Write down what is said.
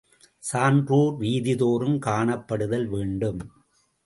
சான்றோர் வீதிதோறும் காணப்படுதல் வேண்டும்.